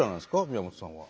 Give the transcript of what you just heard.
宮本さんは。